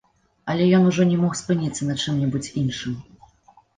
Але ён ужо не мог спыніцца на чым-небудзь іншым.